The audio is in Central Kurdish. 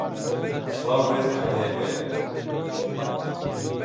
سڵاو و رێزمان هەیە بۆیان